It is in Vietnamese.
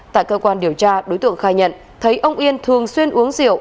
tại cơ quan điều tra đối tượng khai nhận thấy ông yên thường xuyên uống rượu